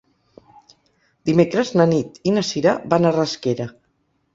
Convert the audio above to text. Dimecres na Nit i na Sira van a Rasquera.